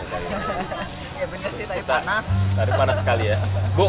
agar terdapatnin masuknya sama banyak ilmuwan couuuun